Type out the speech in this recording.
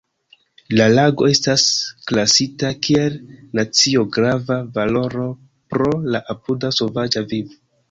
La lago estas klasita kiel nacio-grava valoro pro la apuda sovaĝa vivo.